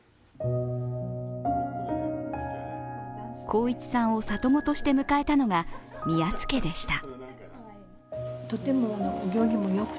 航一さんを里子として迎えたのが宮津家でした。